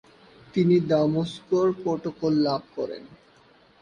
তিনি দামেস্ক প্রটোকল লাভ করেন।